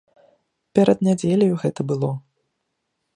Перад нядзеляю гэта было.